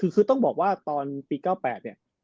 คือต้องบอกว่าตอนปี๙๘เนี่ย